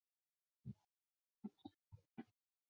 根据此后在北太平洋也航海的船舰被目击的记录。